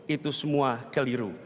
itu semua keliru